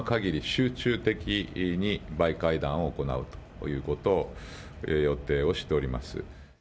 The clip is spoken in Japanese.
集中的にバイ会談を行うということを予定をしております。